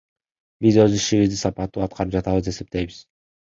Биз өз ишибизди сапаттуу аткарып жатабыз деп эсептейбиз.